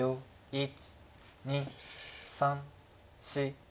１２３４５。